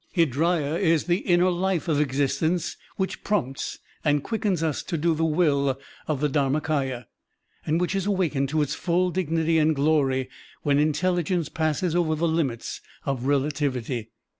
Hridaya is the inner life of existence which prompts and quickens us to do the will of the Dharmakdya, and which is awakened to its full dignity and glory when intelligence passes over the limits of relativity.